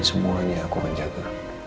semuanya aku akan jaga